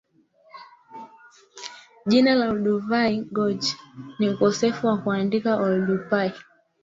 Jina la Olduvai Gorge ni ukosefu wa kuandika Oldupai